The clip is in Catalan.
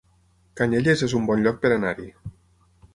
Canyelles es un bon lloc per anar-hi